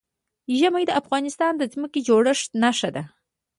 ژمی د افغانستان د ځمکې د جوړښت نښه ده.